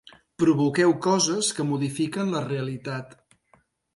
Provoqueu coses que modifiquen la realitat.